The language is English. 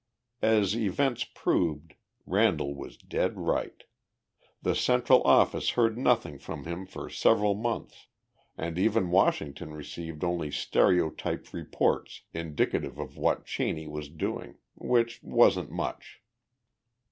As events proved, Randall was dead right. The Central Office heard nothing from him for several months, and even Washington received only stereotyped reports indicative of what Cheney was doing which wasn't much.